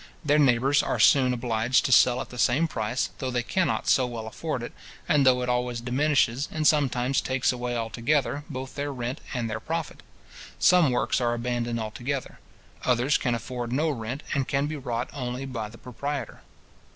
Their neighbours are soon obliged to sell at the same price, though they cannot so well afford it, and though it always diminishes, and sometimes takes away altogether, both their rent and their profit. Some works are abandoned altogether; others can afford no rent, and can be wrought only by the proprietor.